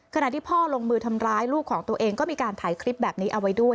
ขณะที่พ่อลงมือทำร้ายลูกของตัวเองก็มีการถ่ายคลิปแบบนี้เอาไว้ด้วย